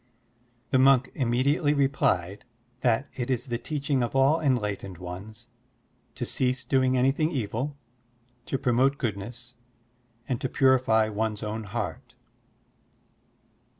The monk immediately replied that it is the teaching of all enlightened ones to cease doing anything evil, to promote goodness, and to purify one's own heart.